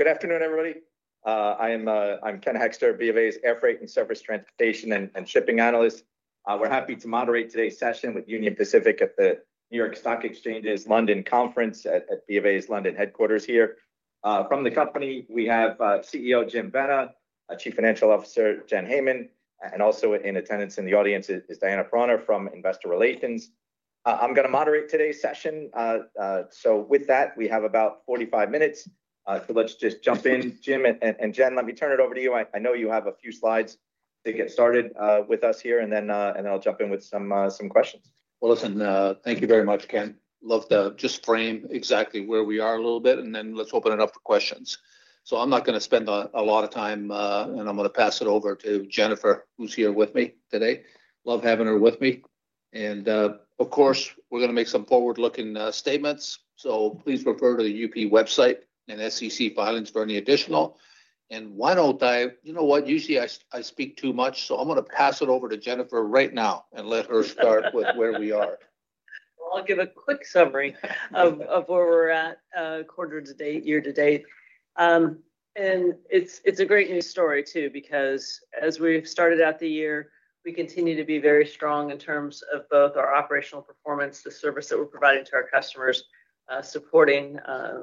Good afternoon, everybody. I'm Ken Hoexter, BofA's Airfreight & Surface Transportation and Shipping analyst. We're happy to moderate today's session with Union Pacific at the New York Stock Exchange's London Conference at BofA's London headquarters here. From the company, we have CEO Jim Vena, Chief Financial Officer Jennifer Hamann, also in attendance in the audience is Diana Proner from Investor Relations. I'm going to moderate today's session. With that, we have about 45 minutes, let's just jump in. Jim and Jen, let me turn it over to you. I know you have a few slides to get started with us here, then I'll jump in with some questions. Well, listen, thank you very much, Ken. Love to just frame exactly where we are a little bit, then let's open it up for questions. I'm not going to spend a lot of time, I'm going to pass it over to Jennifer, who's here with me today. Love having her with me. Of course, we're going to make some forward-looking statements, please refer to the UP website and SEC filings for any additional. You know what? Usually I speak too much, I'm going to pass it over to Jennifer right now and let her start with where we are. Well, I'll give a quick summary of where we're at quarter-to-date, year-to-date. It's a great news story too, because as we've started out the year, we continue to be very strong in terms of both our operational performance, the service that we're providing to our customers, supporting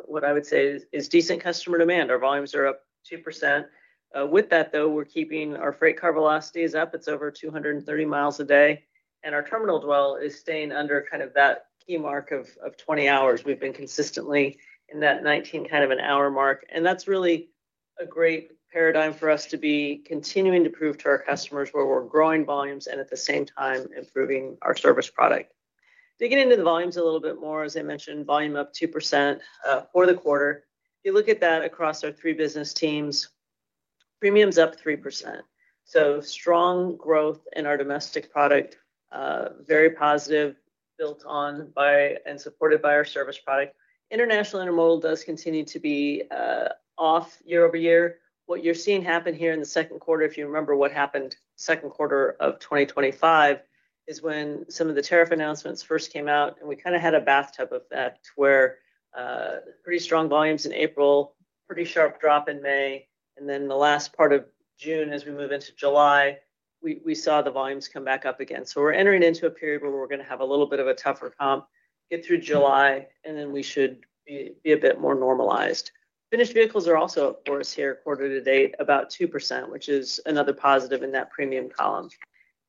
what I would say is decent customer demand. Our volumes are up 2%. With that, though, we're keeping our freight car velocity up. It's over 230 miles a day, our terminal dwell is staying under that key mark of 20 hours. We've been consistently in that 19 kind of an hour mark, that's really a great paradigm for us to be continuing to prove to our customers where we're growing volumes and at the same time improving our service product. Digging into the volumes a little bit more, as I mentioned, volume up 2% for the quarter. You look at that across our three business teams. Premium's up 3%, strong growth in our domestic product, very positive, built on by and supported by our service product. International intermodal does continue to be off year-over-year. What you're seeing happen here in the second quarter, if you remember what happened second quarter of 2025, is when some of the tariff announcements first came out, we kind of had a bathtub effect where pretty strong volumes in April, pretty sharp drop in May, then the last part of June as we move into July, we saw the volumes come back up again. We're entering into a period where we're going to have a little bit of a tougher comp, get through July, and then we should be a bit more normalized. Finished vehicles are also of course here quarter-to-date, about 2%, which is another positive in that premium column.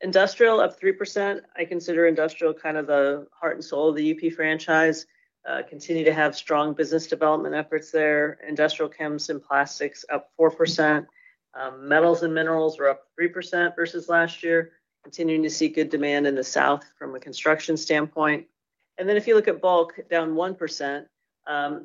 Industrial up 3%. I consider industrial kind of the heart and soul of the UP franchise. Continue to have strong business development efforts there. Industrial chemicals and plastics up 4%. Metals and minerals were up 3% versus last year. Continuing to see good demand in the South from a construction standpoint. If you look at bulk, down 1%.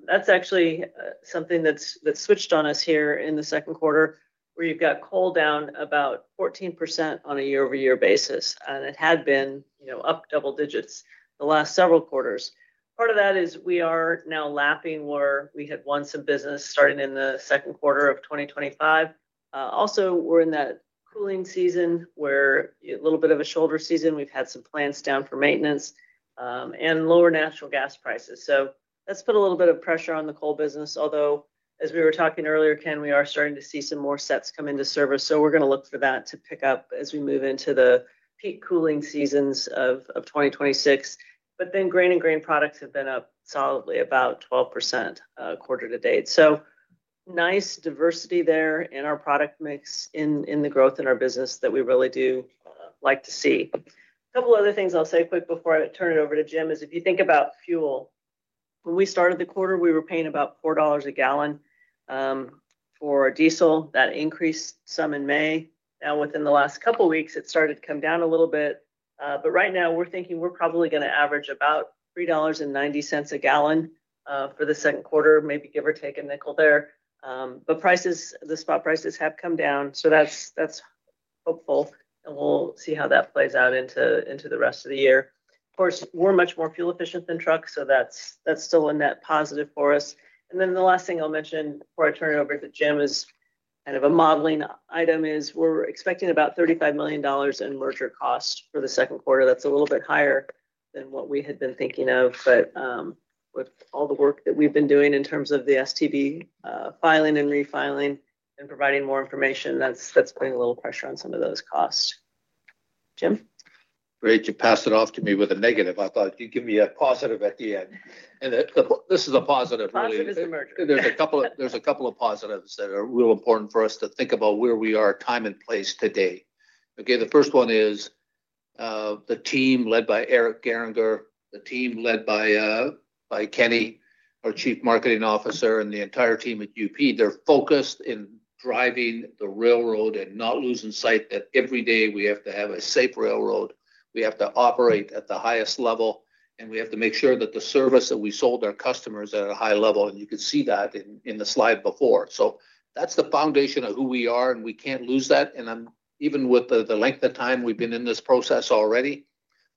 That's actually something that's switched on us here in the second quarter, where you've got coal down about 14% on a year-over-year basis, and it had been up double digits the last several quarters. Part of that is we are now lapping where we had won some business starting in the second quarter of 2025. Also, we're in that cooling season, where a little bit of a shoulder season. We've had some plants down for maintenance, and lower natural gas prices. That's put a little bit of pressure on the coal business, although, as we were talking earlier, Ken, we are starting to see some more sets come into service. We're going to look for that to pick up as we move into the peak cooling seasons of 2026. Grain and grain products have been up solidly about 12% quarter-to-date. Nice diversity there in our product mix in the growth in our business that we really do like to see. Couple other things I'll say quick before I turn it over to Jim is if you think about fuel. When we started the quarter, we were paying about $4 a gallon, for diesel. That increased some in May. Within the last couple weeks, it's started to come down a little bit. Right now, we're thinking we're probably going to average about $3.90 a gallon for the second quarter, maybe give or take a nickel there. The spot prices have come down, that's hopeful, and we'll see how that plays out into the rest of the year. Of course, we're much more fuel efficient than trucks, that's still a net positive for us. The last thing I'll mention before I turn it over to Jim is kind of a modeling item, is we're expecting about $35 million in merger costs for the second quarter. That's a little bit higher than what we had been thinking of. With all the work that we've been doing in terms of the STB filing and refiling and providing more information, that's putting a little pressure on some of those costs. Jim? Great, you pass it off to me with a negative. I thought you'd give me a positive at the end. This is a positive really. Positive is the merger. There's a couple of positives that are real important for us to think about where we are time and place today. Okay, the first one is, the team led by Eric Gehringer, the team led by Kenny, our Chief Marketing Officer, and the entire team at UP, they're focused in driving the railroad and not losing sight that every day we have to have a safe railroad. We have to operate at the highest level, and we have to make sure that the service that we sold our customers are at a high level, and you could see that in the slide before. That's the foundation of who we are, and we can't lose that, and even with the length of time we've been in this process already,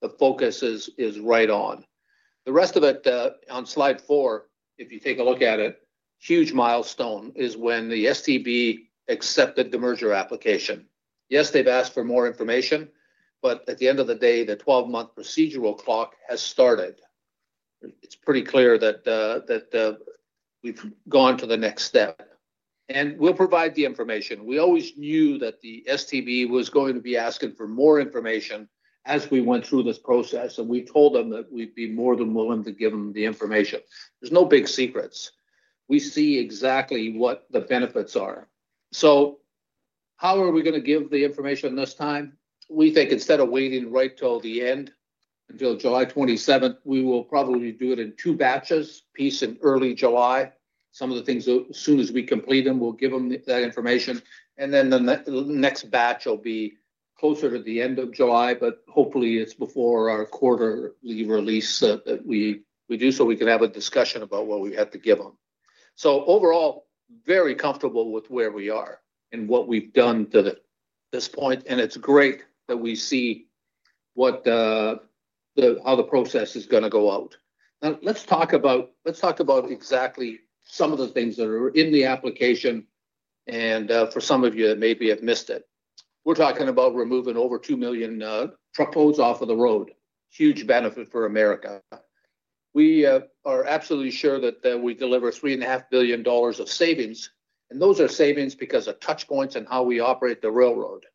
the focus is right on. The rest of it, on slide four, if you take a look at it, huge milestone is when the STB accepted the merger application. Yes, they've asked for more information, but at the end of the day, the 12-month procedural clock has started. It's pretty clear that we've gone to the next step. We'll provide the information. We always knew that the STB was going to be asking for more information as we went through this process, and we told them that we'd be more than willing to give them the information. There's no big secrets. We see exactly what the benefits are. How are we going to give the information this time? We think instead of waiting right until the end, until July 27th, we will probably do it in two batches, piece in early July. Some of the things, as soon as we complete them, we'll give them that information, and then the next batch will be closer to the end of July. Hopefully, it's before our quarterly release that we do, so we can have a discussion about what we had to give them. Overall, very comfortable with where we are and what we've done to this point, and it's great that we see how the process is going to go out. Let's talk about exactly some of the things that are in the application, and for some of you that maybe have missed it. We're talking about removing over 2 million truckloads off of the road. Huge benefit for America. We are absolutely sure that we deliver $3.5 billion of savings, and those are savings because of touch points and how we operate the railroad.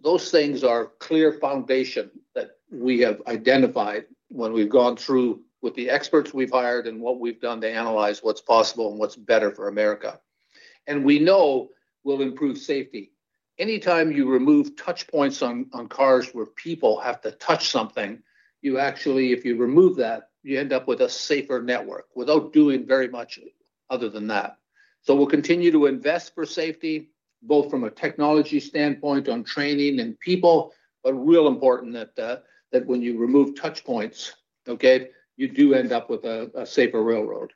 Those things are clear foundation that we have identified when we've gone through with the experts we've hired and what we've done to analyze what's possible and what's better for America. We know we'll improve safety. Anytime you remove touch points on cars where people have to touch something, if you remove that, you end up with a safer network without doing very much other than that. We'll continue to invest for safety, both from a technology standpoint on training and people, but real important that when you remove touch points, okay, you do end up with a safer railroad.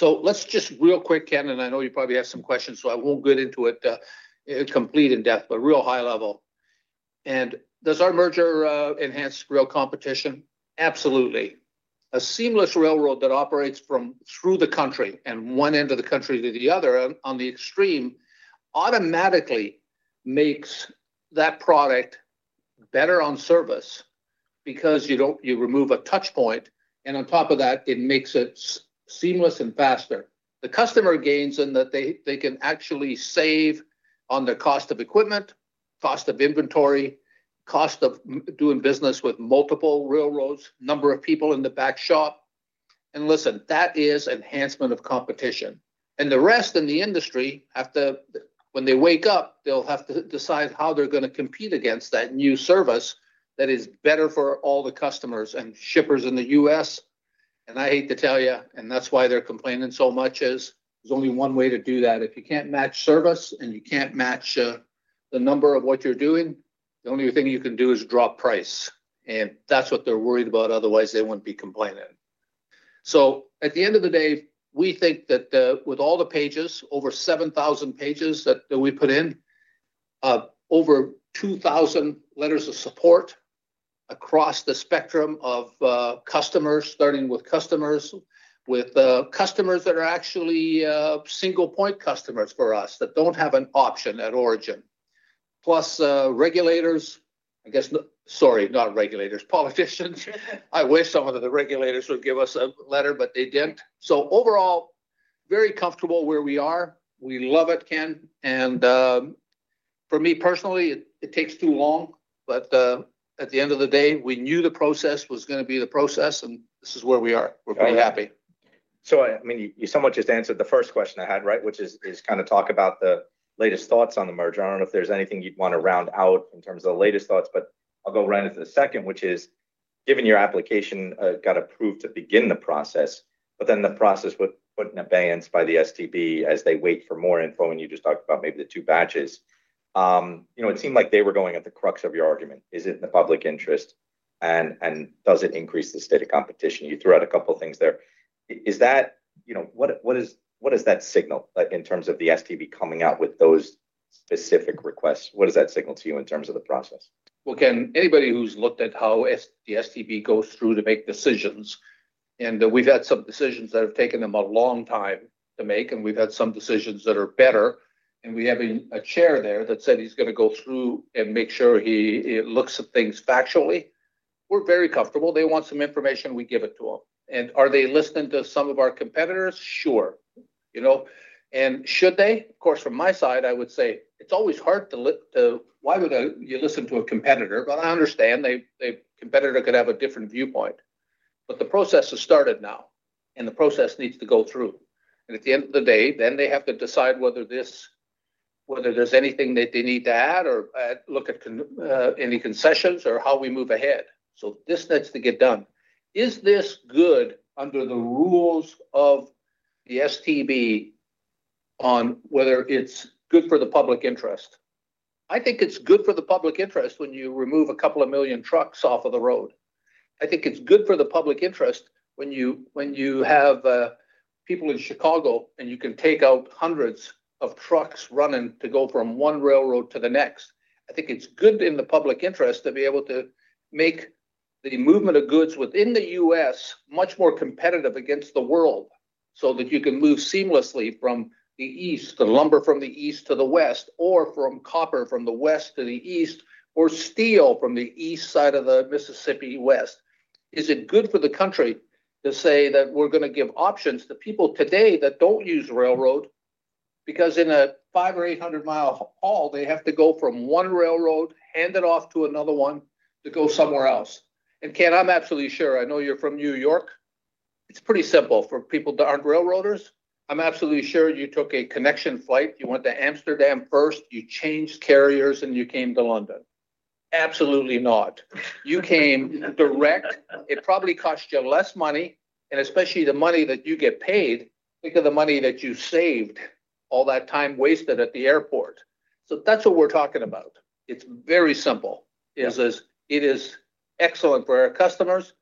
Let's just real quick, Ken, and I know you probably have some questions, so I won't get into it complete in-depth, but real high level. Does our merger enhance rail competition? Absolutely. A seamless railroad that operates through the country and one end of the country to the other on the extreme automatically makes that product better on service because you remove a touch point, and on top of that, it makes it seamless and faster. The customer gains in that they can actually save on the cost of equipment, cost of inventory, cost of doing business with multiple railroads, number of people in the back shop. Listen, that is enhancement of competition. The rest in the industry, when they wake up, they'll have to decide how they're going to compete against that new service that is better for all the customers and shippers in the U.S. I hate to tell you, and that's why they're complaining so much, is there's only one way to do that. If you can't match service and you can't match the number of what you're doing, the only thing you can do is drop price. That's what they're worried about, otherwise they wouldn't be complaining. At the end of the day, we think that with all the pages, over 7,000 pages that we put in, over 2,000 letters of support across the spectrum of customers, starting with customers, with customers that are actually single point customers for us that don't have an option at origin. Plus, regulators, I guess. Sorry, not regulators, politicians. I wish some of the regulators would give us a letter, but they didn't. Overall, very comfortable where we are. We love it, Ken. For me personally, it takes too long, but at the end of the day, we knew the process was going to be the process, and this is where we are. We're pretty happy. You somewhat just answered the first question I had, right? Which is kind of talk about the latest thoughts on the merger. I don't know if there's anything you'd want to round out in terms of the latest thoughts, I'll go right into the second, which is, given your application got approved to begin the process, the process was put in abeyance by the STB as they wait for more info, and you just talked about maybe the two batches. It seemed like they were going at the crux of your argument. Is it in the public interest, and does it increase the state of competition? You threw out a couple things there. What does that signal in terms of the STB coming out with those specific requests? What does that signal to you in terms of the process? Well, Ken, anybody who's looked at how the STB goes through to make decisions, we've had some decisions that have taken them a long time to make, we've had some decisions that are better, we have a chair there that said he's going to go through and make sure he looks at things factually. We're very comfortable. They want some information, we give it to them. Are they listening to some of our competitors? Sure. Should they? Of course, from my side, I would say it's always hard to Why would you listen to a competitor? I understand, a competitor could have a different viewpoint. The process has started now, the process needs to go through. At the end of the day, they have to decide whether there's anything that they need to add or look at any concessions or how we move ahead. This needs to get done. Is this good under the rules of the STB on whether it's good for the public interest? I think it's good for the public interest when you remove a couple of million trucks off of the road. I think it's good for the public interest when you have people in Chicago, you can take out hundreds of trucks running to go from one railroad to the next. I think it's good in the public interest to be able to make the movement of goods within the U.S. much more competitive against the world. That you can move seamlessly from the East, the lumber from the East to the West, or from copper from the West to the East, or steel from the East side of the Mississippi West. Is it good for the country to say that we're going to give options to people today that don't use railroad? Because in a five- or 800-mile haul, they have to go from one railroad, hand it off to another one to go somewhere else. Ken, I'm absolutely sure, I know you're from New York. It's pretty simple for people that aren't railroaders. I'm absolutely sure you took a connection flight. You went to Amsterdam first, you changed carriers, and you came to London. Absolutely not. You came direct. It probably cost you less money, especially the money that you get paid, think of the money that you saved all that time wasted at the airport. That's what we're talking about. It's very simple. Yeah. It is excellent for our customers.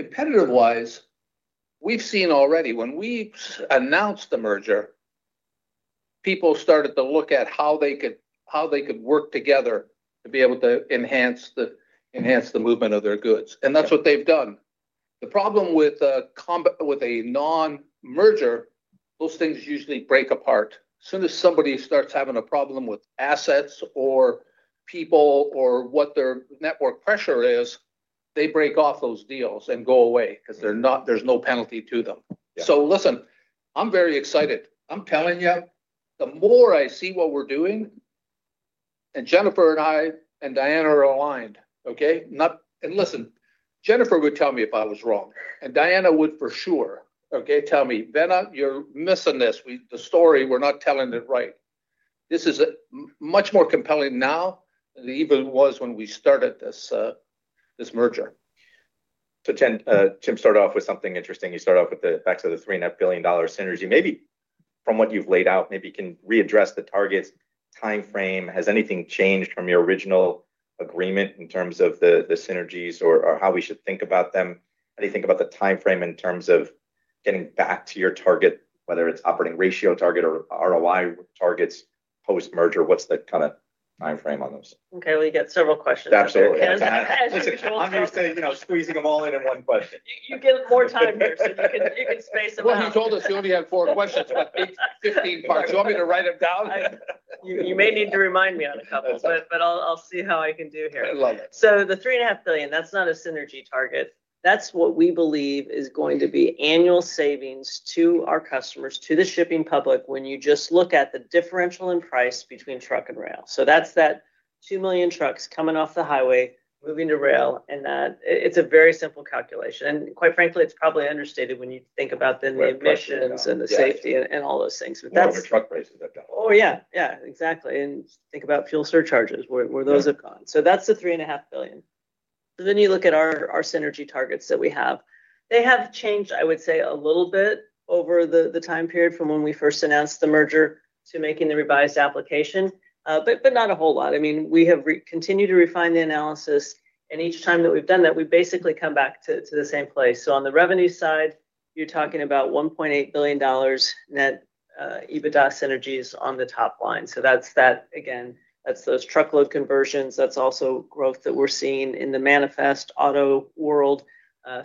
Competitive-wise, and I know I'm going for a long time, but competitive-wise, we've seen already when we announced the merger, people started to look at how they could work together to be able to enhance the movement of their goods. That's what they've done. The problem with a non-merger, those things usually break apart. Soon as somebody starts having a problem with assets or people or what their network pressure is, they break off those deals and go away because there's no penalty to them. Yeah. Listen, I'm very excited. I'm telling you, the more I see what we're doing, Jennifer and I and Diana are aligned, okay? Listen, Jennifer would tell me if I was wrong, and Diana would for sure, okay, tell me, "Vena, you're missing this. The story, we're not telling it right." This is much more compelling now than it even was when we started this merger. Jim started off with something interesting. You started off with the facts of the $3.5 billion synergy. Maybe from what you've laid out, maybe you can readdress the targets timeframe. Has anything changed from your original agreement in terms of the synergies or how we should think about them? How do you think about the timeframe in terms of getting back to your target, whether it's operating ratio target or ROI targets post-merger? What's the kind of timeframe on those? We get several questions there. Absolutely. As usual. I'm used to squeezing them all in in one question. You get more time here, you can space them out. Well, you told us you only had four questions, it's 15 parts. Do you want me to write them down? You may need to remind me on a couple. That's all. I'll see how I can do here. I love it. The $3.5 billion, that's not a synergy target. That's what we believe is going to be annual savings to our customers, to the shipping public when you just look at the differential in price between truck and rail. That's that 2 million trucks coming off the highway, moving to rail, and that it's a very simple calculation. Quite frankly, it's probably understated when you think about then the emissions and the safety and all those things. You know what truck prices have done. Oh, yeah. Exactly. Think about fuel surcharges, where those have gone. That's the $3.5 billion. You look at our synergy targets that we have. They have changed, I would say, a little bit over the time period from when we first announced the merger to making the revised application. Not a whole lot. We have continued to refine the analysis, and each time that we've done that, we basically come back to the same place. On the revenue side, you're talking about $1.8 billion net EBITDA synergies on the top line. That's that, again, that's those truckload conversions. That's also growth that we're seeing in the manifest auto world,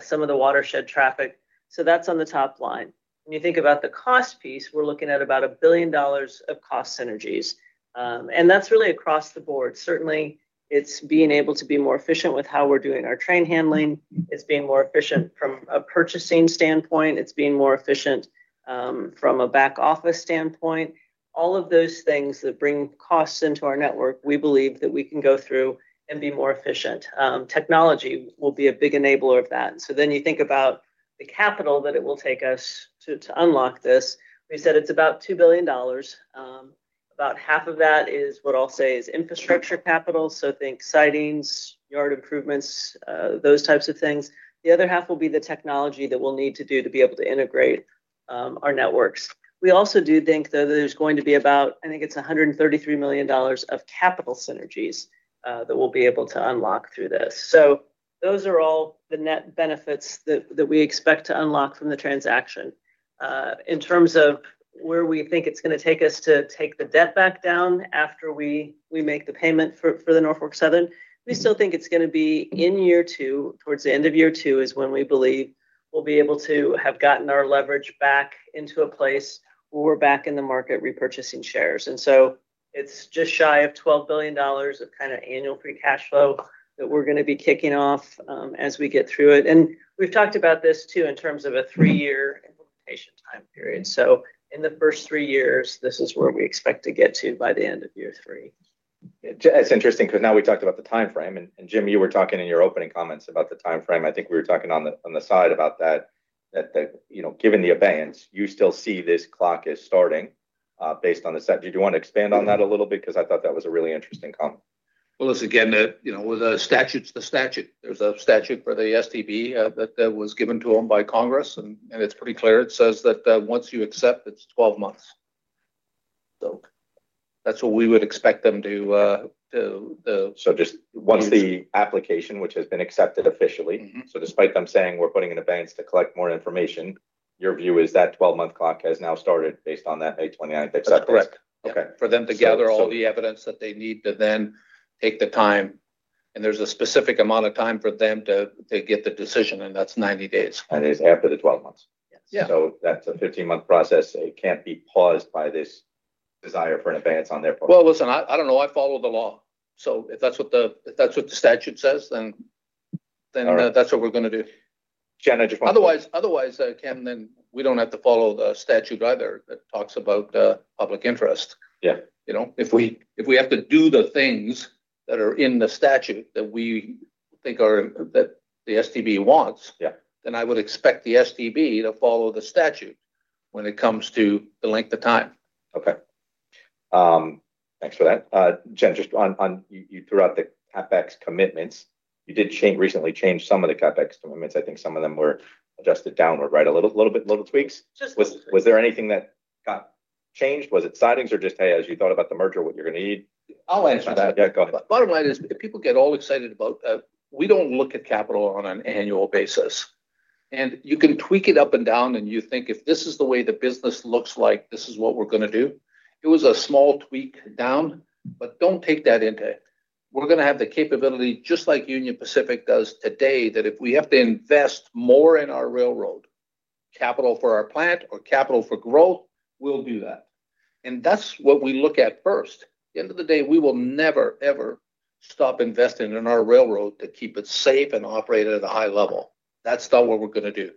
some of the watershed traffic. That's on the top line. When you think about the cost piece, we're looking at about $1 billion of cost synergies. That's really across the board. Certainly, it's being able to be more efficient with how we're doing our train handling. It's being more efficient from a purchasing standpoint. It's being more efficient from a back office standpoint. All of those things that bring costs into our network, we believe that we can go through and be more efficient. Technology will be a big enabler of that. You think about the capital that it will take us to unlock this. We said it's about $2 billion. About half of that is what I'll say is infrastructure capital. Think sightings, yard improvements, those types of things. The other half will be the technology that we'll need to do to be able to integrate our networks. We also do think, though, that there's going to be about, I think it's $133 million of capital synergies that we'll be able to unlock through this. Those are all the net benefits that we expect to unlock from the transaction. In terms of where we think it's going to take us to take the debt back down after we make the payment for the Norfolk Southern, we still think it's going to be in year two. Towards the end of year two is when we believe we'll be able to have gotten our leverage back into a place where we're back in the market repurchasing shares. It's just shy of $12 billion of kind of annual free cash flow that we're going to be kicking off as we get through it. We've talked about this too in terms of a three-year implementation time period. In the first three years, this is where we expect to get to by the end of year three. It's interesting because now we talked about the timeframe, and Jim, you were talking in your opening comments about the timeframe. I think we were talking on the side about that, given the abeyance, you still see this clock as starting based on this. Did you want to expand on that a little bit? Because I thought that was a really interesting comment. Well, listen again, the statute's the statute. There's a statute for the STB that was given to them by Congress, and it's pretty clear. It says that once you accept, it's 12 months. That's what we would expect them to- Just once the application, which has been accepted officially. Despite them saying we're putting an abeyance to collect more information Your view is that 12-month clock has now started based on that May 29th acceptance? That's correct. Okay. For them to gather all the evidence that they need to then take the time, and there's a specific amount of time for them to get the decision, and that's 90 days. It's after the 12 months? Yes. That's a 15-month process. It can't be paused by this desire for an abeyance on their part. Well, listen, I don't know. I follow the law, so if that's what the statute says, then that's what we're going to do. Jen, I just want. Otherwise, Ken, then we don't have to follow the statute either that talks about public interest. Yeah. If we have to do the things that are in the statute that we think that the STB wants. Yeah I would expect the STB to follow the statute when it comes to the length of time. Okay. Thanks for that. Jen, you threw out the CapEx commitments. You did recently change some of the CapEx commitments. I think some of them were adjusted downward. A little tweaks? Just little tweaks. Was there anything that got changed? Was it sidings or just, hey, as you thought about the merger, what you're going to need? I'll answer that. Yeah, go ahead. Bottom line is people get all excited. We don't look at capital on an annual basis. You can tweak it up and down and you think if this is the way the business looks like, this is what we're going to do. It was a small tweak down, don't take that into it. We're going to have the capability, just like Union Pacific does today, that if we have to invest more in our railroad, capital for our plant or capital for growth, we'll do that. That's what we look at first. At the end of the day, we will never, ever stop investing in our railroad to keep it safe and operate it at a high level. That's not what we're going to do.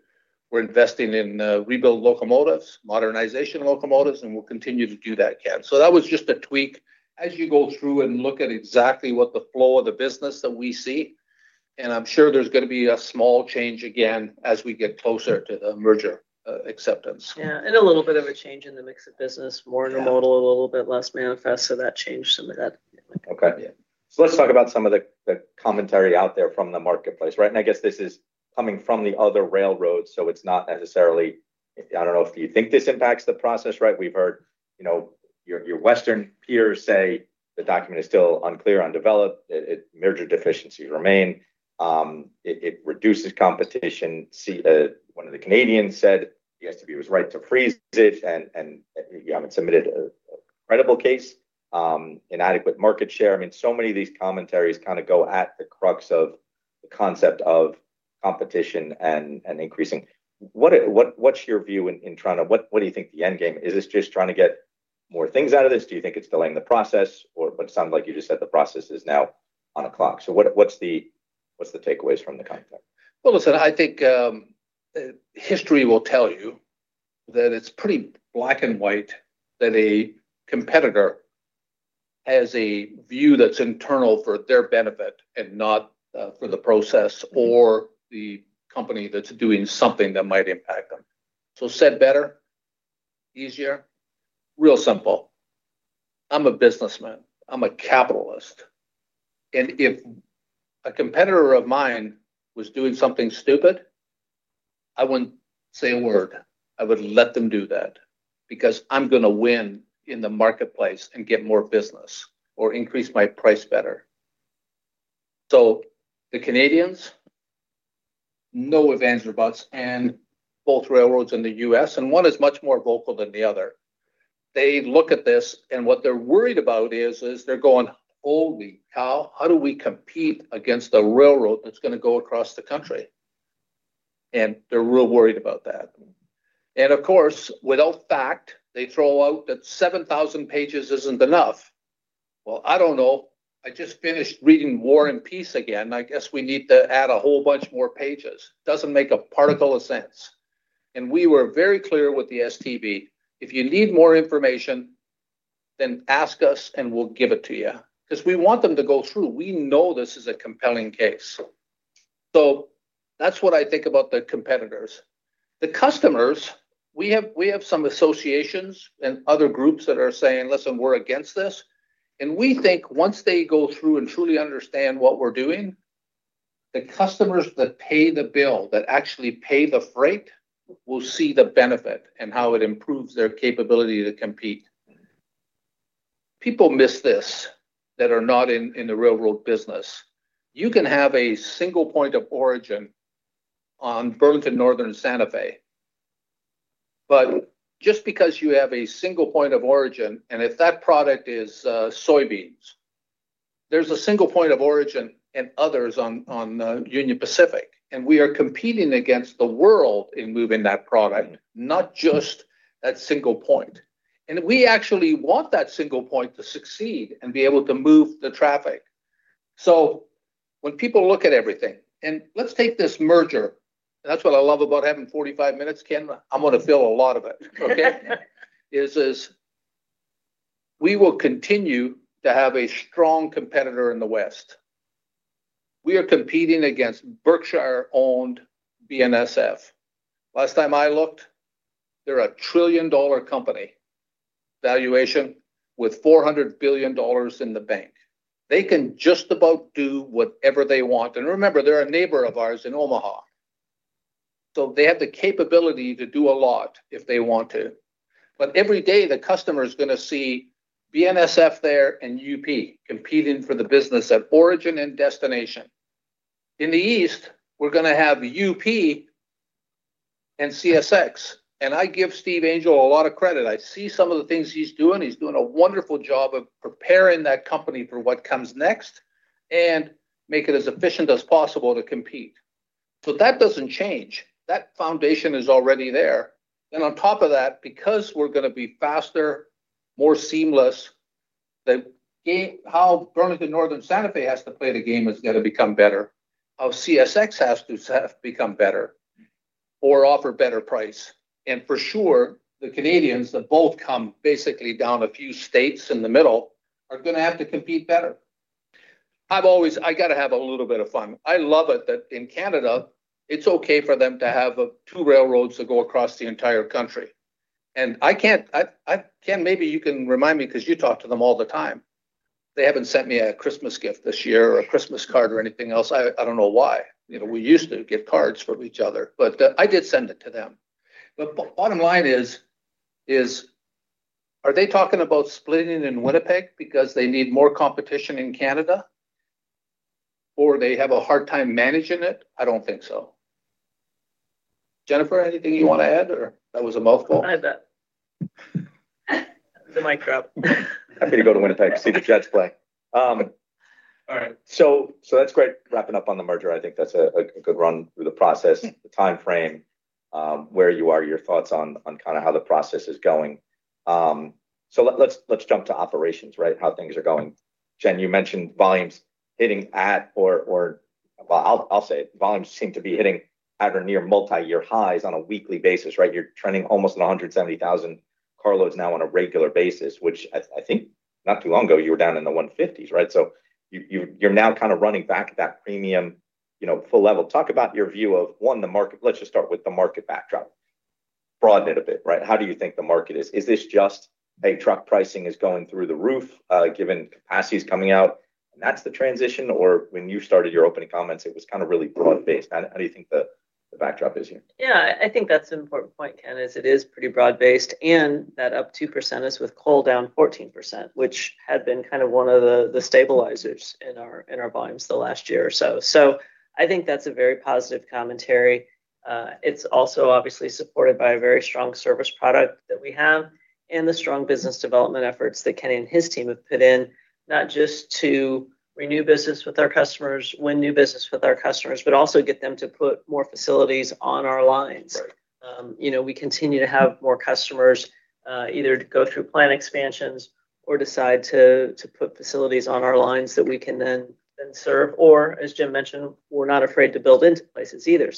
We're investing in rebuild locomotives, modernization locomotives, and we'll continue to do that, Ken. That was just a tweak as you go through and look at exactly what the flow of the business that we see, and I'm sure there's going to be a small change again as we get closer to the merger acceptance. Yeah, a little bit of a change in the mix of business, more intermodal, a little bit less manifest, that changed some of that. Yeah. Okay. Let's talk about some of the commentary out there from the marketplace. I guess this is coming from the other railroads, it's not necessarily-- I don't know if you think this impacts the process. We've heard your Western peers say the document is still unclear, undeveloped, merger deficiencies remain. It reduces competition. One of the Canadians said the STB was right to freeze it, you haven't submitted a credible case. Inadequate market share. Many of these commentaries go at the crux of the concept of competition and increasing. What do you think the end game? Is this just trying to get more things out of this? Do you think it's delaying the process? It sounds like you just said the process is now on a clock. What's the takeaways from the comment? Well, listen, I think history will tell you that it's pretty black and white that a competitor has a view that's internal for their benefit and not for the process or the company that's doing something that might impact them. Said better, easier, real simple. I'm a businessman. I'm a capitalist. If a competitor of mine was doing something stupid, I wouldn't say a word. I would let them do that because I'm going to win in the marketplace and get more business or increase my price better. The Canadians, no ifs, ands, or buts, both railroads in the U.S., one is much more vocal than the other. They look at this, what they're worried about is they're going, "Holy cow. How do we compete against a railroad that's going to go across the country?" They're real worried about that. Of course, without fact, they throw out that 7,000 pages isn't enough. Well, I don't know. I just finished reading "War and Peace" again. I guess we need to add a whole bunch more pages. Doesn't make a particle of sense. We were very clear with the STB, if you need more information, ask us and we'll give it to you. We want them to go through. We know this is a compelling case. That's what I think about the competitors. The customers, we have some associations and other groups that are saying, "Listen, we're against this." We think once they go through and truly understand what we're doing, the customers that pay the bill, that actually pay the freight, will see the benefit and how it improves their capability to compete. People miss this that are not in the railroad business. You can have a single point of origin on Burlington Northern Santa Fe. Just because you have a single point of origin, and if that product is soybeans, there's a single point of origin and others on Union Pacific, and we are competing against the world in moving that product, not just that single point. We actually want that single point to succeed and be able to move the traffic. So when people look at everything, let's take this merger. That's what I love about having 45 minutes, Ken. I'm going to fill a lot of it. We will continue to have a strong competitor in the West. We are competing against Berkshire-owned BNSF. Last time I looked, they're a $1 trillion company valuation with $400 billion in the bank. They can just about do whatever they want. Remember, they're a neighbor of ours in Omaha. They have the capability to do a lot if they want to. Every day, the customer is going to see BNSF there and UP competing for the business at origin and destination. In the east, we're going to have UP and CSX. I give Steve Angel a lot of credit. I see some of the things he's doing. He's doing a wonderful job of preparing that company for what comes next and make it as efficient as possible to compete. That doesn't change. That foundation is already there. On top of that, because we're going to be faster, more seamless, how Burlington Northern Santa Fe has to play the game is going to become better, how CSX has to become better or offer better price. For sure, the Canadians that both come basically down a few states in the middle are going to have to compete better. I got to have a little bit of fun. I love it that in Canada it's okay for them to have two railroads that go across the entire country. Ken, maybe you can remind me, because you talk to them all the time. They haven't sent me a Christmas gift this year or a Christmas card or anything else. I don't know why. We used to give cards for each other. I did send it to them. Bottom line is, are they talking about splitting in Winnipeg because they need more competition in Canada, or they have a hard time managing it? I don't think so. Jennifer, anything you want to add, or that was a mouthful? I had that. The mic drop. I'm going to go to Winnipeg to see the Jets play. All right. That's great wrapping up on the merger. I think that's a good run through the process, the time frame, where you are, your thoughts on how the process is going. Let's jump to operations, how things are going. Jen, you mentioned volumes hitting at or. Well, I'll say it. Volumes seem to be hitting at or near multi-year highs on a weekly basis. You're trending almost at 170,000 carloads now on a regular basis, which I think not too long ago, you were down in the 150s. You're now kind of running back at that premium full level. Talk about your view of, one, let's just start with the market backdrop. Broaden it a bit. How do you think the market is? Is this just, "Hey, truck pricing is going through the roof," given capacity is coming out and that's the transition? When you started your opening comments, it was kind of really broad based. How do you think the backdrop is here? Yeah, I think that's an important point, Ken, it is pretty broad based and that up 2% is with coal down 14%, which had been kind of one of the stabilizers in our volumes the last year or so. I think that's a very positive commentary. It's also obviously supported by a very strong service product that we have and the strong business development efforts that Ken and his team have put in, not just to renew business with our customers, win new business with our customers, but also get them to put more facilities on our lines. Right. We continue to have more customers either to go through plan expansions or decide to put facilities on our lines that we can then serve. As Jim mentioned, we're not afraid to build into places either.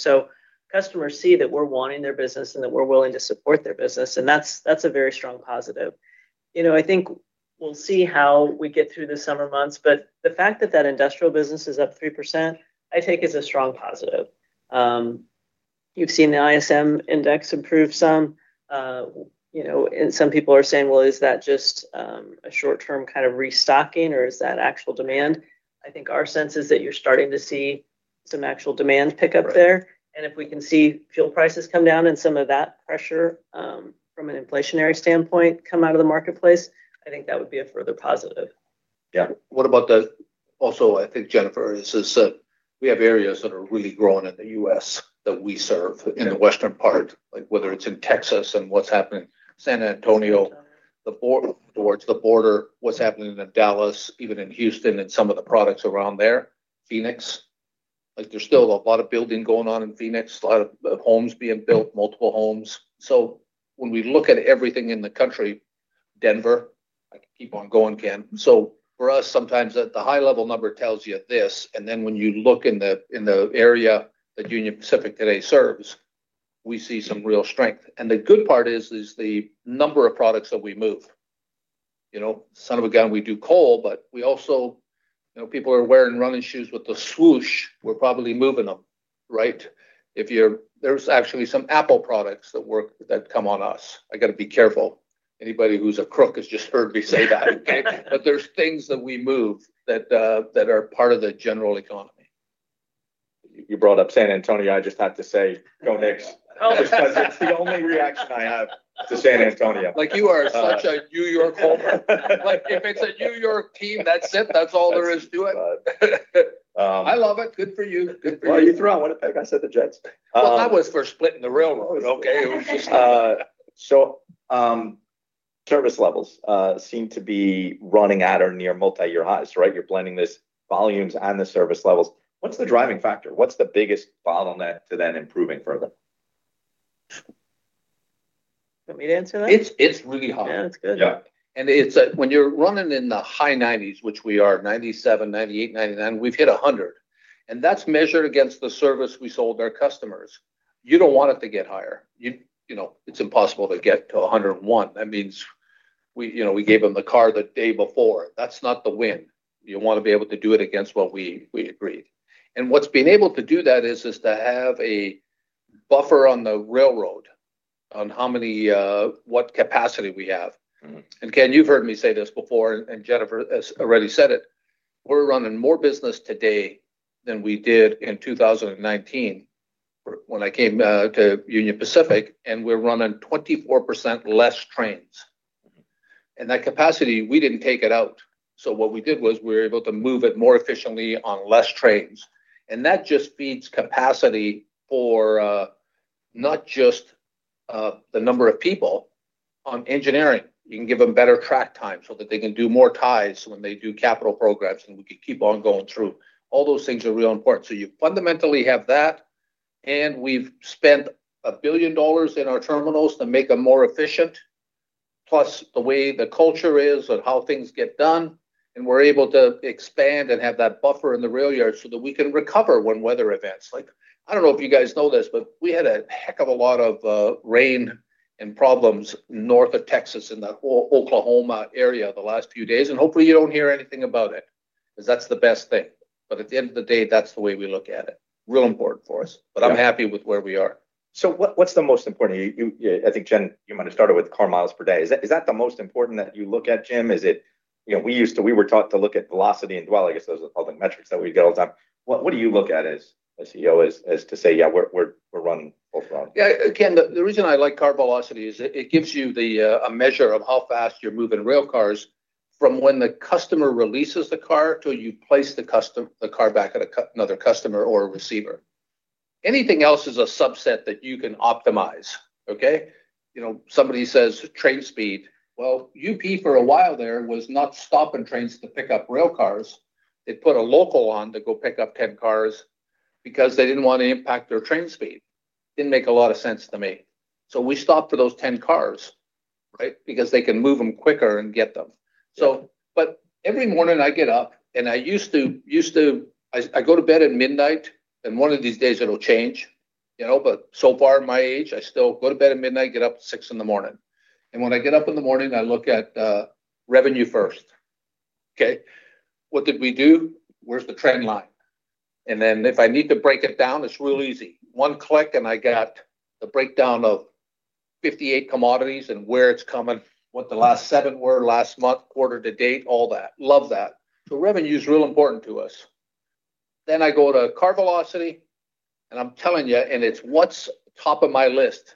Customers see that we're wanting their business and that we're willing to support their business, and that's a very strong positive. I think we'll see how we get through the summer months, but the fact that that industrial business is up 3%, I take as a strong positive. You've seen the ISM index improve some. Some people are saying, "Well, is that just a short-term kind of restocking, or is that actual demand?" I think our sense is that you're starting to see some actual demand pick up there. Right. If we can see fuel prices come down and some of that pressure from an inflationary standpoint come out of the marketplace, I think that would be a further positive. Yeah. Also, I think, Jennifer, is we have areas that are really growing in the U.S. that we serve in the- Yeah Western part, whether it's in Texas and what's happening, San Antonio. San Antonio. towards the border, what's happening in Dallas, even in Houston and some of the products around there. Phoenix. There's still a lot of building going on in Phoenix, a lot of homes being built, multiple homes. When we look at everything in the country, Denver. I can keep on going, Ken. For us, sometimes the high level number tells you this, and then when you look in the area that Union Pacific today serves, we see some real strength. The good part is the number of products that we move. Son of a gun, we do coal, but also, people are wearing running shoes with the Swoosh, we're probably moving them. There's actually some Apple products that come on us. I got to be careful. Anybody who's a crook has just heard me say that, okay? There's things that we move that are part of the general economy. You brought up San Antonio. I just have to say, go Knicks. That's the only reaction I have to San Antonio. You are such a New York homer. If it's a New York team, that's it. That's all there is to it. I love it. Good for you. Well, you threw out Winnipeg. I said the Jets. Well, that was for splitting the railroads, okay? Service levels seem to be running at or near multi-year highs. You're blending these volumes and the service levels. What's the driving factor? What's the biggest bottleneck to then improving further? You want me to answer that? It's really hard. Yeah, that's good. When you're running in the high 90s, which we are 97%, 98%, 99%, we've hit 100%, and that's measured against the service we sold our customers. You don't want it to get higher. It's impossible to get to 101%. That means we gave them the car the day before. That's not the win. You want to be able to do it against what we agreed. What's been able to do that is to have a buffer on the railroad on what capacity we have. Ken, you've heard me say this before, Jennifer has already said it, we're running more business today than we did in 2019 when I came to Union Pacific, and we're running 24% less trains. That capacity, we didn't take it out. What we did was we were able to move it more efficiently on less trains. That just feeds capacity for not just the number of people on engineering. You can give them better track time so that they can do more ties when they do capital programs, and we can keep on going through. All those things are real important. You fundamentally have that, and we've spent $1 billion in our terminals to make them more efficient. Plus the way the culture is and how things get done, and we're able to expand and have that buffer in the rail yard so that we can recover when weather events. I don't know if you guys know this, but we had a heck of a lot of rain and problems north of Texas in that whole Oklahoma area the last few days, and hopefully you don't hear anything about it, because that's the best thing. At the end of the day, that's the way we look at it. Real important for us. Yeah. I'm happy with where we are. What's the most important? I think, Jen, you might have started with car miles per day. Is that the most important that you look at, Jim? We were taught to look at velocity and, well, I guess those are all the metrics that we'd get all the time. What do you look at as CEO as to say, "Yeah, we're running full throttle? Yeah, Ken, the reason I like car velocity is it gives you a measure of how fast you're moving rail cars from when the customer releases the car till you place the car back at another customer or a receiver. Anything else is a subset that you can optimize. Okay? Somebody says train speed. Well, UP for a while there was not stopping trains to pick up rail cars. They put a local on to go pick up 10 cars because they didn't want to impact their train speed. Didn't make a lot of sense to me. We stopped for those 10 cars, right? Because they can move them quicker and get them. Yeah. Every morning I get up and I go to bed at midnight, one of these days it'll change. So far in my age, I still go to bed at midnight, get up at 6:00A.M. When I get up in the morning, I look at revenue first. Okay? What did we do? Where's the trend line? If I need to break it down, it's real easy. One click and I got the breakdown of 58 commodities and where it's coming, what the last seven were last month, quarter-to-date, all that. Love that. Revenue's real important to us. I go to car velocity, I'm telling you, it's what's top of my list,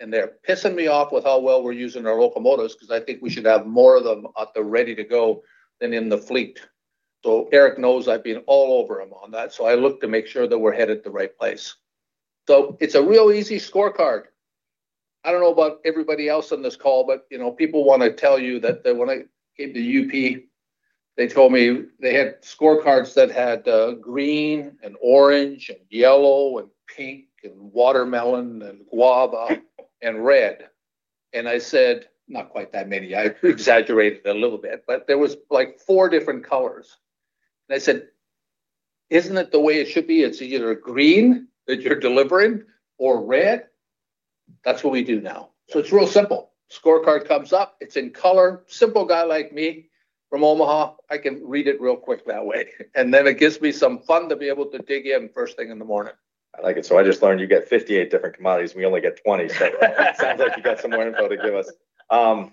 they're pissing me off with how well we're using our locomotives because I think we should have more of them at the ready to go than in the fleet. Eric knows I've been all over him on that. I look to make sure that we're headed the right place. It's a real easy scorecard. I don't know about everybody else on this call, people want to tell you that when I came to UP, they told me they had scorecards that had green and orange and yellow and pink and watermelon and guava and red. I said, not quite that many. I exaggerated a little bit. There was four different colors. I said, "Isn't it the way it should be? It's either green that you're delivering or red?" That's what we do now. It's real simple. Scorecard comes up, it's in color. Simple guy like me from Omaha, I can read it real quick that way. It gives me some fun to be able to dig in first thing in the morning. I like it. I just learned you get 58 different commodities and we only get 20. It sounds like you got some more info to give us. All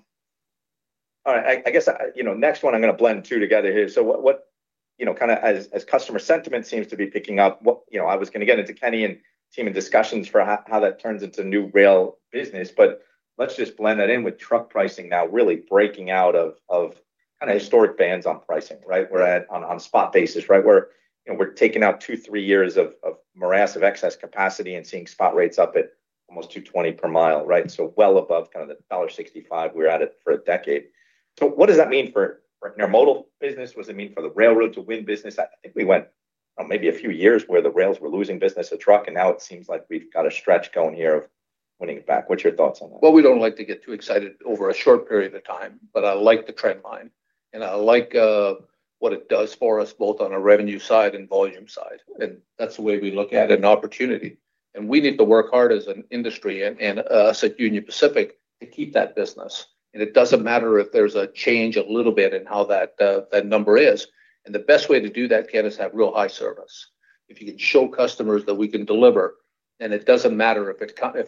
right. I guess, next one, I'm going to blend 2 together here. As customer sentiment seems to be picking up, I was going to get into Kenny and team in discussions for how that turns into new rail business, but let's just blend that in with truck pricing now really breaking out of historic bands on pricing, right? We're on a spot basis, right? We're taking out two, three years of morass of excess capacity and seeing spot rates up at almost $2.20 per mile, right? Well above the $1.65 we were at it for a decade. What does that mean for intermodal business? What does it mean for the railroad to win business? I think we went maybe a few years where the rails were losing business to truck, and now it seems like we've got a stretch going here of winning it back. What's your thoughts on that? Well, we don't like to get too excited over a short period of time, but I like the trend line, and I like what it does for us both on a revenue side and volume side. That's the way we look at an opportunity. We need to work hard as an industry and us at Union Pacific to keep that business. It doesn't matter if there's a change a little bit in how that number is. The best way to do that, Ken, is to have real high service. If you can show customers that we can deliver, then it doesn't matter if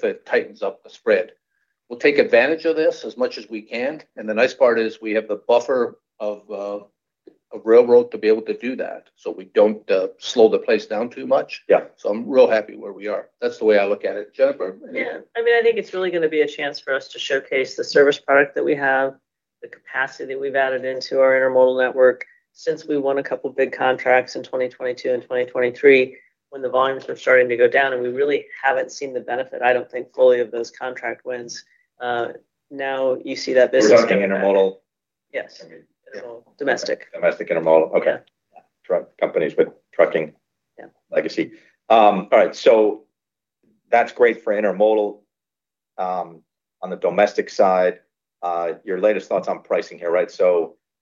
it tightens up the spread. We'll take advantage of this as much as we can, and the nice part is we have the buffer of railroad to be able to do that, we don't slow the place down too much. Yeah. I'm real happy where we are. That's the way I look at it. Jennifer? Yeah. I think it's really going to be a chance for us to showcase the service product that we have, the capacity we've added into our intermodal network since we won a couple big contracts in 2022 and 2023 when the volumes were starting to go down, and we really haven't seen the benefit, I don't think, fully of those contract wins. You see that this. We're talking intermodal? Yes. Okay. It's all domestic. Domestic intermodal. Okay. Yeah. Truck companies, trucking legacy. All right. That's great for intermodal. On the domestic side, your latest thoughts on pricing here, right?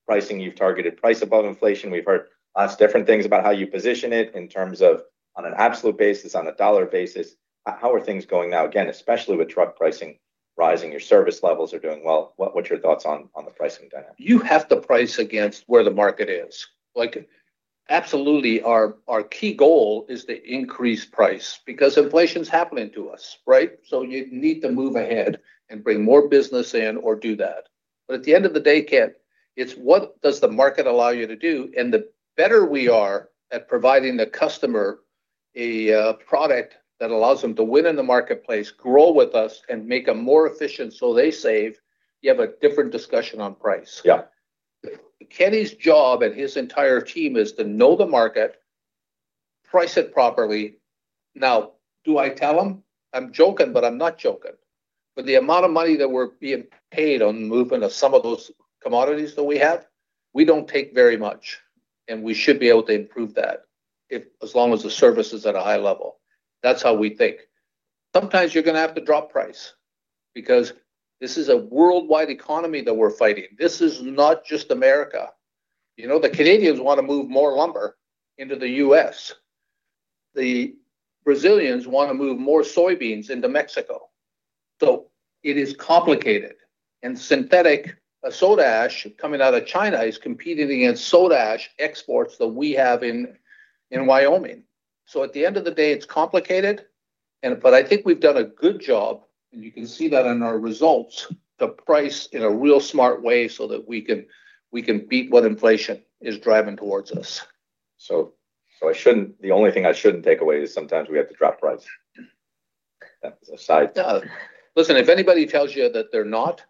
Pricing, you've targeted price above inflation. We've heard lots of different things about how you position it in terms of on an absolute basis, on a dollar basis. How are things going now, again, especially with truck pricing rising, your service levels are doing well. What's your thoughts on the pricing dynamic? You have to price against where the market is. Absolutely, our key goal is to increase price because inflation's happening to us, right? You need to move ahead and bring more business in or do that. At the end of the day, Ken, it's what does the market allow you to do? The better we are at providing the customer a product that allows them to win in the marketplace, grow with us, and make them more efficient so they save, you have a different discussion on price. Yeah. Kenny's job and his entire team is to know the market, price it properly. Now, do I tell him? I'm joking, but I'm not joking. The amount of money that we're being paid on the movement of some of those commodities that we have, we don't take very much, and we should be able to improve that as long as the service is at a high level. That's how we think. Sometimes you're going to have to drop price because this is a worldwide economy that we're fighting. This is not just America. The Canadians want to move more lumber into the U.S. The Brazilians want to move more soybeans into Mexico. It is complicated. Synthetic soda ash coming out of China is competing against soda ash exports that we have in Wyoming. At the end of the day, it's complicated, but I think we've done a good job, and you can see that in our results, to price in a real smart way so that we can beat what inflation is driving towards us. The only thing I shouldn't take away is sometimes we have to drop price. That as an aside. No. Listen, if anybody tells you that they're not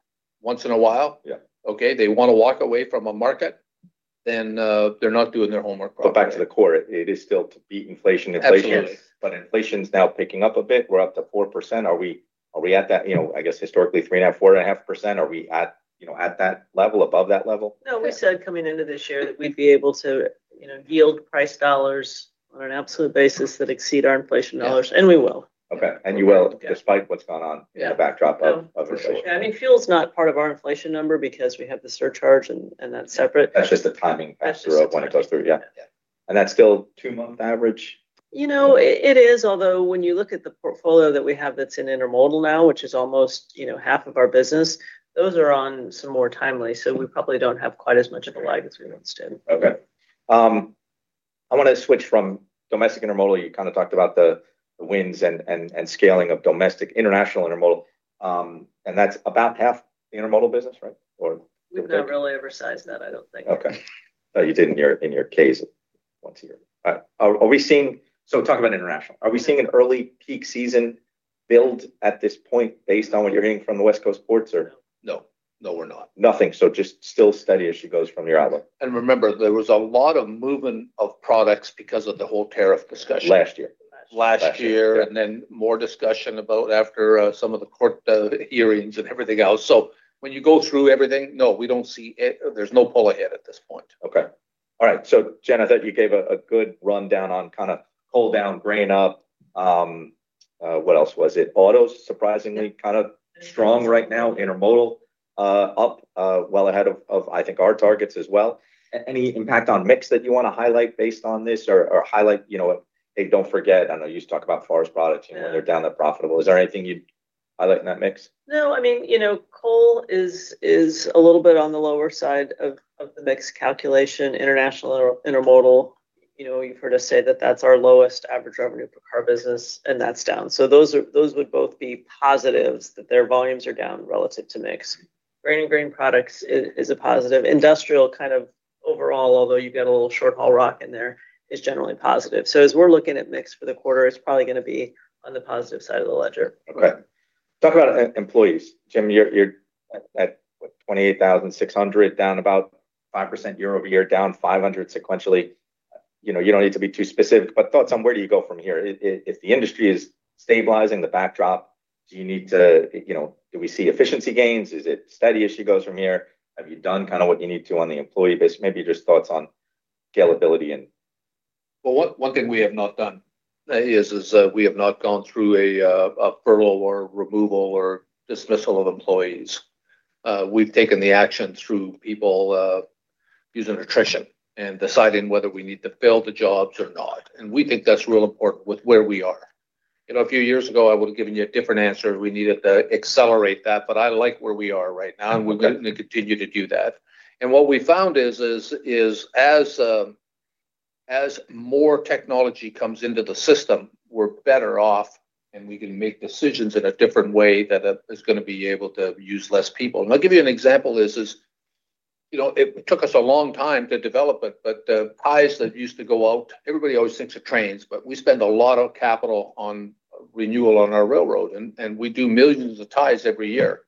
once in a while. Yeah Okay, they want to walk away from a market, then they're not doing their homework properly. Back to the core, it is still to beat inflation. Absolutely Inflation's now picking up a bit. We're up to 4%. Are we at that, I guess historically, 3.5%, 4.5%? Are we at that level? Above that level? No, we said coming into this year that we'd be able to yield price dollars on an absolute basis that exceed our inflation. Yeah We will. Okay. You will despite what's gone on Yeah in the backdrop of inflation. I mean, fuel's not part of our inflation number because we have the surcharge, and that's separate. That's just the timing That's just the timing. when it goes through. Yeah. Yeah. That's still two-month average? It is, although when you look at the portfolio that we have that's in intermodal now, which is almost half of our business, those are on some more timely. We probably don't have quite as much of a lag as we once did. Okay. I want to switch from domestic Intermodal. You talked about the wins and scaling of domestic-international Intermodal, and that's about half the Intermodal business, right? We've never really ever sized that, I don't think. Okay. No, you did in your case once a year. Talk about international. Are we seeing an early peak season build at this point based on what you're hearing from the West Coast ports or no? No. No, we're not. Nothing. Just still steady as she goes from your outlook. Remember, there was a lot of movement of products because of the whole tariff discussion. Last year. Last year. Last year. Yeah. More discussion about after some of the court hearings and everything else. When you go through everything, no, there's no pull ahead at this point. Okay. All right. Jen, I thought you gave a good rundown on coal down, grain up. What else was it? Autos, surprisingly kind of strong right now. Intermodal up well ahead of I think our targets as well. Any impact on mix that you want to highlight based on this or highlight, "Hey, don't forget," I know you used to talk about forest products- Yeah They're down, they're profitable. Is there anything you'd highlight in that mix? No. Coal is a little bit on the lower side of the mix calculation. International Intermodal, you've heard us say that that's our lowest average revenue per car business, and that's down. Those would both be positives that their volumes are down relative to mix. Grain and grain products is a positive. Industrial kind of overall, although you've got a little short-haul rock in there, is generally positive. As we're looking at mix for the quarter, it's probably going to be on the positive side of the ledger. Okay. Talk about employees. Jim, you're at 28,600, down about 5% year-over-year, down 500 sequentially. Thoughts on where do you go from here? If the industry is stabilizing the backdrop, do we see efficiency gains? Is it steady as she goes from here? Have you done what you need to on the employee base? Maybe just thoughts on scalability and Well, one thing we have not done is we have not gone through a furlough or removal or dismissal of employees. We've taken the action through people using attrition and deciding whether we need to fill the jobs or not. We think that's real important with where we are. A few years ago, I would've given you a different answer if we needed to accelerate that. I like where we are right now. Okay We're going to continue to do that. What we found is as more technology comes into the system, we're better off. We can make decisions in a different way that is going to be able to use less people. I'll give you an example of this is, it took us a long time to develop it. The ties that used to go out, everybody always thinks of trains. We spend a lot of capital on renewal on our railroad. We do millions of ties every year.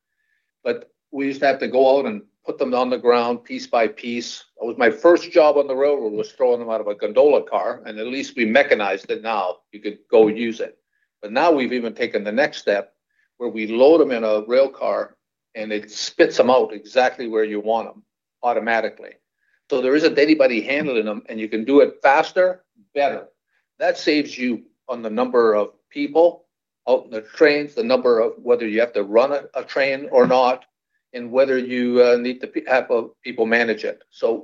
We used to have to go out and put them on the ground piece by piece. It was my first job on the railroad, was throwing them out of a gondola car. At least we mechanized it. Now you could go use it. Now we've even taken the next step where we load them in a rail car, and it spits them out exactly where you want them automatically. There isn't anybody handling them, and you can do it faster, better. That saves you on the number of people out in the trains, the number of whether you have to run a train or not, and whether you need to have people manage it.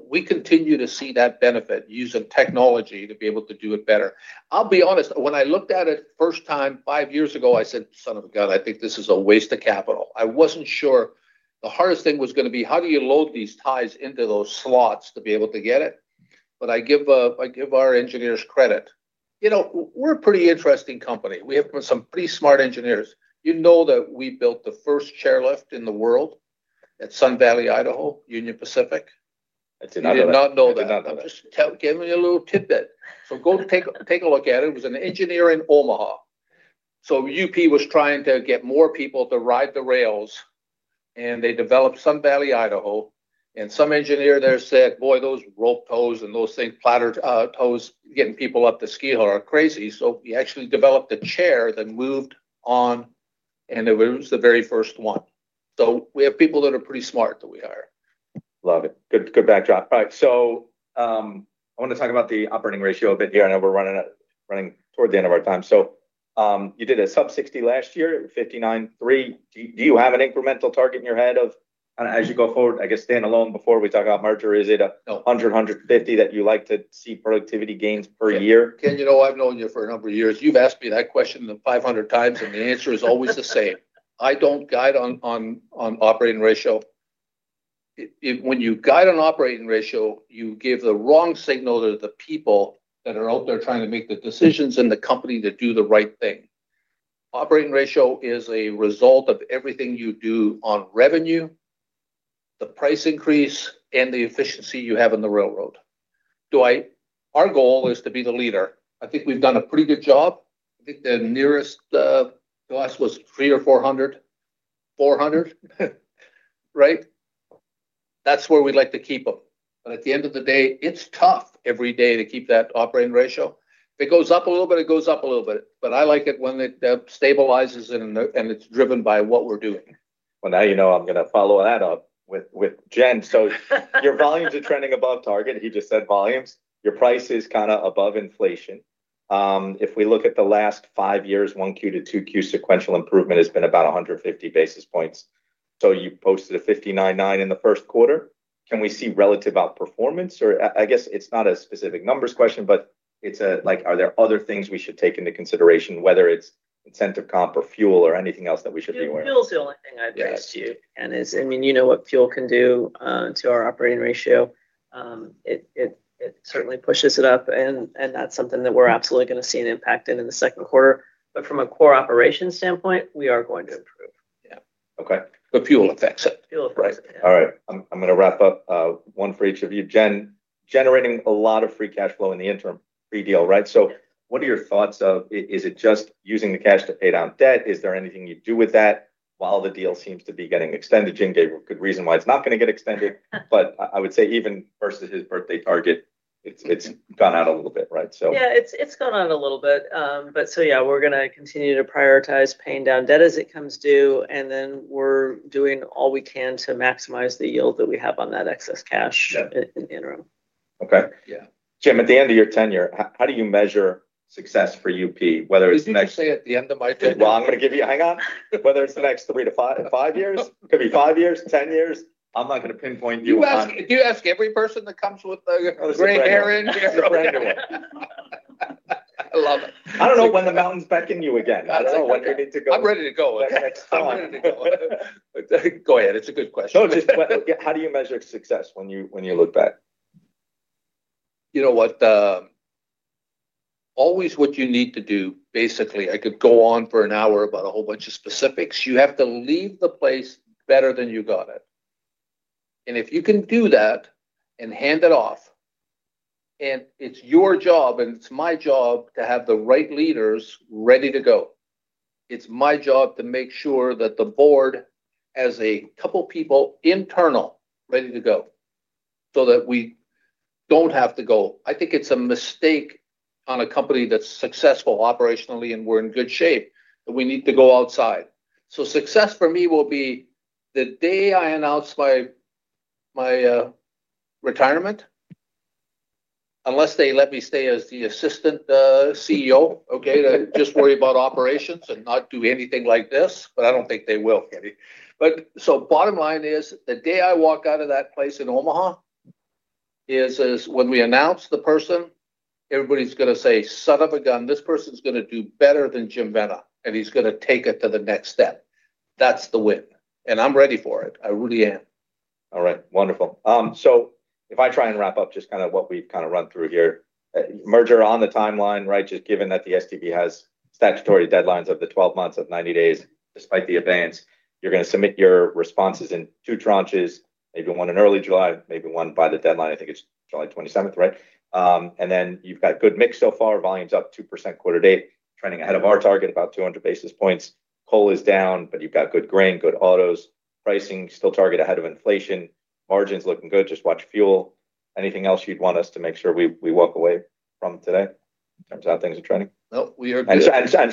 We continue to see that benefit, using technology to be able to do it better. I'll be honest, when I looked at it first time five years ago, I said, "Son of a gun, I think this is a waste of capital." I wasn't sure. The hardest thing was going to be how do you load these ties into those slots to be able to get it? I give our engineers credit. We're a pretty interesting company. We have some pretty smart engineers. You know that we built the first chairlift in the world at Sun Valley, Idaho, Union Pacific? I did not know that You did not know that I did not know that I'll just give you a little tidbit. Go take a look at it. It was an engineer in Omaha. UP was trying to get more people to ride the rails, and they developed Sun Valley, Idaho, and some engineer there said, "Boy, those rope tows and those things, platter tows, getting people up the ski hill are crazy." He actually developed a chair that moved on, and it was the very first one. We have people that are pretty smart that we hire. Love it. Good backdrop. I want to talk about the operating ratio a bit here. I know we're running toward the end of our time. You did a sub-60% last year, at 59.3%. Do you have an incremental target in your head as you go forward, I guess standalone before we talk about merger? Is it- No 100, 150 that you'd like to see productivity gains per year? Ken, you know I've known you for a number of years. You've asked me that question 500 times, and the answer is always the same. I don't guide on operating ratio. When you guide on operating ratio, you give the wrong signal to the people that are out there trying to make the decisions in the company to do the right thing. Operating ratio is a result of everything you do on revenue, the price increase, and the efficiency you have in the railroad. Our goal is to be the leader. I think we've done a pretty good job. I think the nearest to us was 300 or 400. 400? Right? At the end of the day, it's tough every day to keep that operating ratio. If it goes up a little bit, it goes up a little bit. I like it when it stabilizes and it's driven by what we're doing. Well, now you know I'm going to follow that up with Jen. Your volumes are trending above target. You just said volumes. Your price is kind of above inflation. If we look at the last five years, 1Q to 2Q sequential improvement has been about 150 basis points. You posted a 59.9% in the first quarter. Can we see relative outperformance? I guess it's not a specific numbers question, are there other things we should take into consideration, whether it's incentive comp or fuel, or anything else that we should be aware of? Fuel's the only thing I'd point to. Yes. You know what fuel can do to our operating ratio. It certainly pushes it up, and that's something that we're absolutely going to see an impact in the second quarter. From a core operations standpoint, we are going to improve. Yeah. Okay. Fuel affects it. Fuel affects it, yeah. Right. All right. I'm going to wrap up, one for each of you. Jen, generating a lot of free cash flow in the interim, pre-deal, right? Yes. What are your thoughts of, is it just using the cash to pay down debt? Is there anything you'd do with that while the deal seems to be getting extended? Jim gave a good reason why it's not going to get extended. I would say even versus his birthday target, it's gone out a little bit, right? Yeah. It's gone out a little bit. Yeah, we're going to continue to prioritize paying down debt as it comes due, and then we're doing all we can to maximize the yield that we have on that excess cash- Yeah in the interim. Okay. Yeah. Jim, at the end of your tenure, how do you measure success for UP? Whether it's next- Did you just say at the end of my tenure? Well, Hang on. Whether it's the next three to five years. Could be five years, 10 years. I'm not going to pinpoint you on- Do you ask every person that comes with the gray hair in here? That's right. I love it. I don't know when the mountain's beckoning you again. I don't know. I don't know when you need to go. I'm ready to go. the next time. I'm ready to go. Go ahead. It's a good question. No, just- How do you measure success when you look back? You know what? Always what you need to do, basically, I could go on for an hour about a whole bunch of specifics. You have to leave the place better than you got it. If you can do that and hand it off, and it's your job and it's my job to have the right leaders ready to go. It's my job to make sure that the board has a couple people internal, ready to go, so that we don't have to go. I think it's a mistake on a company that's successful operationally, and we're in good shape, that we need to go outside. Success for me will be the day I announce my retirement. Unless they let me stay as the assistant CEO, okay? To just worry about operations and not do anything like this, I don't think they will, Kenny. Bottom line is, the day I walk out of that place in Omaha is when we announce the person, everybody's going to say, "Son of a gun, this person's going to do better than Jim Vena, and he's going to take it to the next step." That's the win. I'm ready for it. I really am. All right. Wonderful. If I try and wrap up just kind of what we've kind of run through here. Merger on the timeline, right? Just given that the STB has statutory deadlines of the 12 months and 90 days, despite the advance. You're going to submit your responses in two tranches, maybe one in early July, maybe one by the deadline. I think it's July 27th, right? You've got good mix so far. Volume's up 2% quarter date, trending ahead of our target about 200 basis points. Coal is down, but you've got good grain, good autos. Pricing, still target ahead of inflation. Margins looking good, just watch fuel. Anything else you'd want us to make sure we walk away from today in terms of how things are trending? Nope, we are good.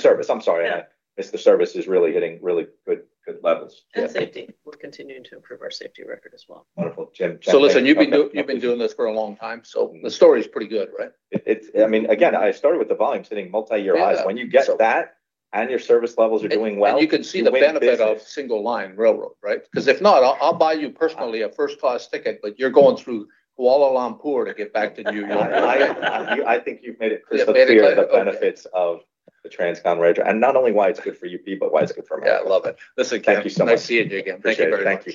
Service. I'm sorry. Yeah. The service is really hitting really good levels. Safety. We're continuing to improve our safety record as well. Wonderful. Jim. Listen, you've been doing this for a long time, so the story's pretty good, right? It's, again, I started with the volume sitting multi-year highs. Yeah. When you get that, and your service levels are doing well, you win business. You can see the benefit of single-line railroad, right? Because if not, I'll buy you personally a first-class ticket, but you're going through Kuala Lumpur to get back to New York. I think you've made it crystal clear. Yeah, made it clear. Okay. The benefits of the Transcon merger, not only why it's good for UP, but why it's good for America. Yeah, love it. Listen, Ken. Thank you so much. Nice seeing you again. Appreciate it. Thank you very much.